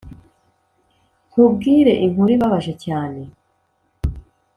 nkubwire inkuru ibabaje cyane